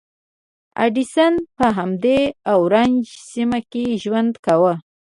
ایډېسن په همدې اورنج سیمه کې ژوند کاوه.